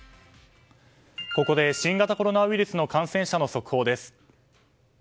ここで新型コロナウイルスの感染者の速報です。